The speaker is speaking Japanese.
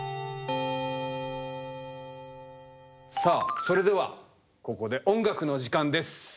さあそれではここで音楽の時間です。